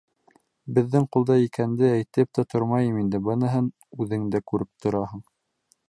— Беҙҙең ҡулда икәненде әйтеп тә тормайым инде, быныһын үҙеңдә күреп тораһың.